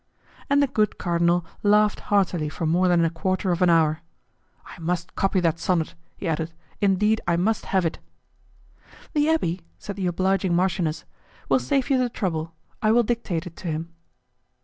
And the good cardinal laughed heartily for more than a quarter of an hour. "I must copy that sonnet," he added, "indeed I must have it." "The abbé," said the obliging marchioness, "will save you the trouble: I will dictate it to him."